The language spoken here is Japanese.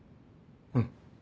うん。